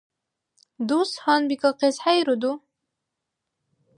Дус гьанбикахъес хӀейруду?